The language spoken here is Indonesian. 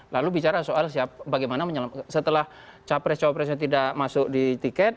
lalu bicara soal bagaimana setelah capres capresnya tidak masuk di tiket